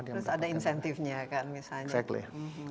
terus ada insentifnya kan misalnya